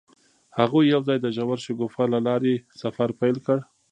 هغوی یوځای د ژور شګوفه له لارې سفر پیل کړ.